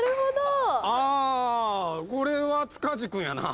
あこれは塚地君やな。